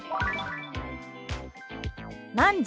「何時？」。